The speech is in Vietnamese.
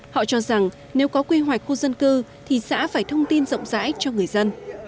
họ cho rằng nếu có quy hoạch khu dân cư thì xã phải thông tin rộng rãi cho người dân